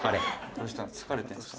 どうした疲れてるんですか？